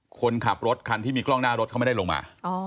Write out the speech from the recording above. คนขับรถคันที่มีกล้องหน้ารถเขาไม่ได้ลงมา